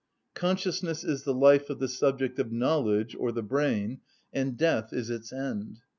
Consciousness is the life of the subject of knowledge, or the brain, and death is its end.